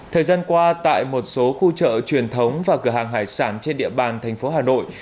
thời gian qua tại một số khu chợ truyền thống và cửa hàng hải sản trên địa bàn thành phố hà nội